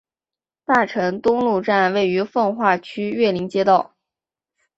大成东路站位于奉化区岳林街道。